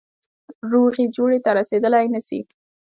روغي جوړي ته رسېدلای نه سي.